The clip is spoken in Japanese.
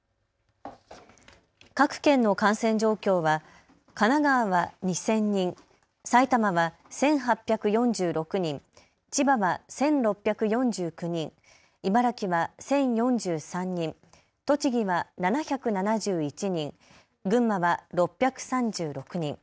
各県の感染状況は神奈川は２０００人、埼玉は１８４６人、千葉は１６４９人、茨城は１０４３人、栃木は７７１人、群馬は６３６人。